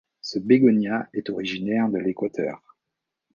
Ce bégonia est originaire de l'Équateur.